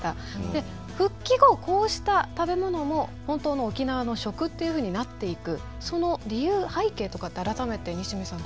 で復帰後こうした食べ物も本当の沖縄の食っていうふうになっていくその理由背景とかって改めて西銘さん